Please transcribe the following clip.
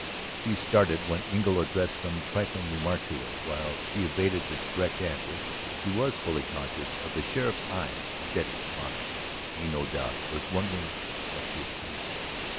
She started when Engle addressed some trifling remark to her; while she evaded the direct answer she was fully conscious of the sheriff's eyes steady upon her. He, no doubt, was wondering what she had seen.